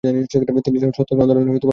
তিনি ছিলেন সত্যাগ্রহ আন্দোলনের প্রতিষ্ঠাতা।